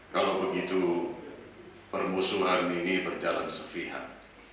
kalau begitu permusuhan ini berjalan sepihak